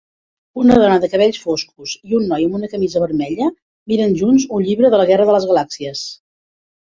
Una dona de cabells foscos i un noi amb una camisa vermella miren junts un llibre de "La guerra de les galàxies".